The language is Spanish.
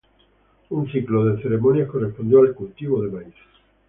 Un ciclo de ceremonias correspondió al cultivo de maíz.